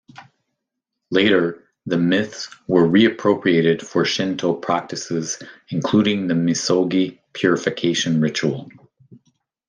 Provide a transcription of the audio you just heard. Later, the myths were re-appropriated for Shinto practices including the misogi purification ritual.